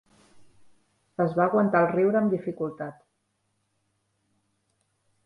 Es va aguantar el riure amb dificultat.